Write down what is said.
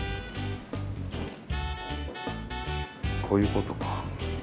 こういうことか。